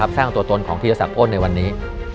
สร้างตัวตนของพิธีโทษักโปรดในวันนี้